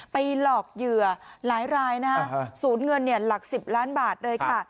ไปหลอกเหยื่อหลายรายนะฮะศูนย์เงินหลัก๑๐ล้านบาทเลยค่ะ